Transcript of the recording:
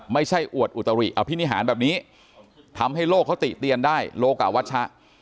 อวดอุตริอภินิหารแบบนี้ทำให้โลกเขาติเตียนได้โลกะวัชชะ